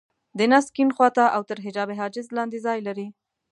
د نس کيڼ خوا ته او تر حجاب حاجز لاندې ځای لري.